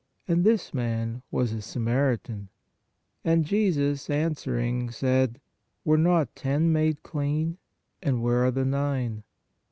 And this man was a Samaritan. And Jesus, an swering, said: Were not ten made clean? And where are the nine?